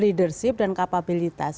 leadership dan kapabilitas